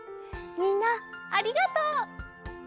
みんなありがとう。